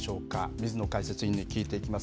水野解説委員に聞いていきます。